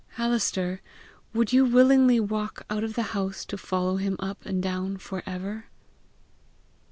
Alister, would you willingly walk out of the house to follow him up and down for ever?"